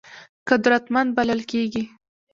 قدرتمند بلل کېږي.